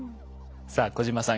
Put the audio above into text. さあ小島さん